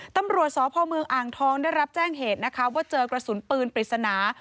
ตำรวจสพเมืองอ่างทองได้รับแจ้งเหตุนะคะว่าเจอกระสุนปืนปริศนา